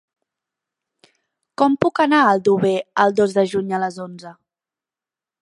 Com puc anar a Aldover el dos de juny a les onze?